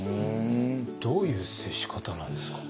どういう接し方なんですか？